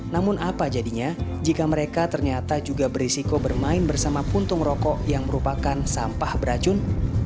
namun apa jadinya jika mereka ternyata juga berisiko bermain bersama puntung rokok yang merupakan sampah beracun